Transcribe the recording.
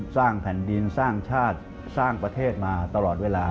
สร้างแผ่นดินสร้างชาติสร้างประเทศมาตลอดเวลา